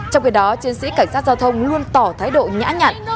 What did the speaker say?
trong khi đó chiến sĩ cảnh sát giao thông luôn tỏ thái độ nhã nhạn